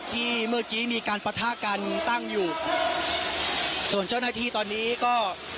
ที่เมื่อกี้มีการปะทะกันตั้งอยู่ส่วนเจ้าหน้าที่ตอนนี้ก็